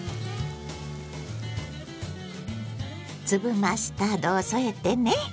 粒マスタードを添えてね。